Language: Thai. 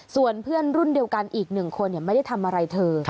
ส่วนเพื่อนรุ่นเดียวกันอีกหนึ่งคนไม่ได้ทำอะไรเธอ